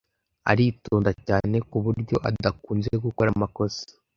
Aritonda cyane, kuburyo adakunze gukora amakosa.